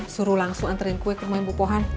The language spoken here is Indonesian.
suruh langsung anterin gue ke rumah ibu pohan